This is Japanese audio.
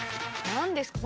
何ですか？